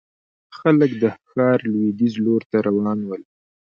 خلک د ښار لوېديځ لور ته روان ول.